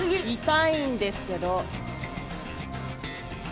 痛いんですけど。